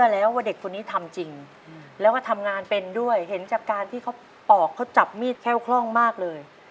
แล้วก็ทำงานเป็นด้วยเห็นจากการที่เขาปอกเขาจับมีดแค่คร่องมากเลย